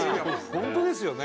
本当ですよね。